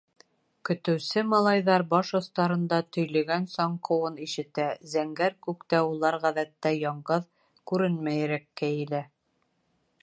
Көтөүсе малайҙар баш остарында төйлөгән саңҡыуын ишетә, зәңгәр күктә улар ғәҙәттә яңғыҙ, күренмәйерәк кәйелә.